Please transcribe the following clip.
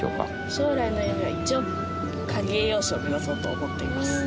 将来の夢は一応管理栄養士を目指そうと思っています。